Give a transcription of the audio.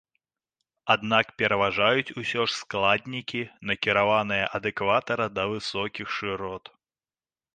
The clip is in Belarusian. Аднак пераважаюць ўсё ж складнікі, накіраваныя ад экватара да высокіх шырот.